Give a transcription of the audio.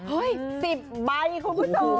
๑๐ใบคุณผู้ชม